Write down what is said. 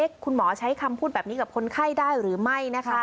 คุณหมอใช้คำพูดแบบนี้กับคนไข้ได้หรือไม่นะคะ